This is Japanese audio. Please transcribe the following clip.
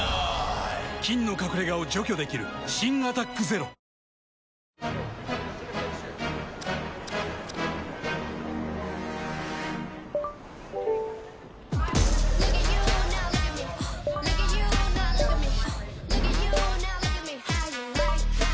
菌の隠れ家を除去できる新「アタックＺＥＲＯ」ねえ上田さん。